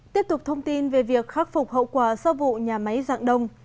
tiếp tục thông tin về việc khắc phục hậu quả sau vụ nhà máy dạng đông